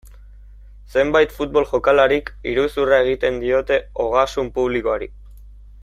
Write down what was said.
Zenbait futbol jokalarik iruzurra egin diote ogasun publikoari.